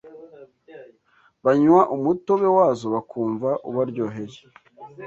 banywa umutobe wazo bakumva ubaryoheye